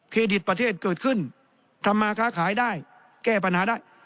ดิตประเทศเกิดขึ้นทำมาค้าขายได้แก้ปัญหาได้